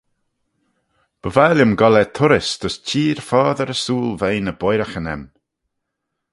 By vie lhiam goll er turrys dys çheer foddey ersooyl veih ny boiraghyn aym.